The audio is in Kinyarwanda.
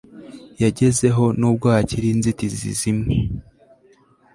yagezeho n ubwo hakiri inzitizi zimwe